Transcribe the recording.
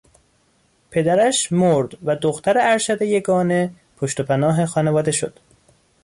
پدرش مرد و دختر ارشد یگانه پشت و پناه خانواده شد.